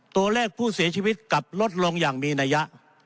ตัวเลขผู้เสียชีวิตกลับลดลงอย่างมีนัยยะ